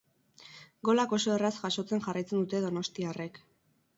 Golak oso erraz jasotzen jarraitzen dute donostiarrek.